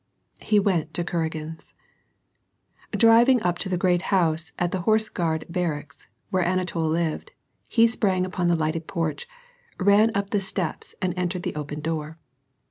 He went to Kuragin's. Driving up to the great house at the Horse Guard barracks, where Anatol lived, he sprang upon the lighted porch, ran up the steps and entered the open door.